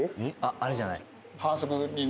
あれじゃない？